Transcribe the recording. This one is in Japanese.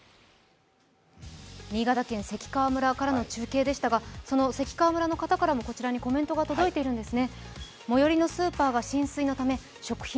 新潟県関川村からの中継でしたが、その関川村の方からもこちらにコメントが届いています。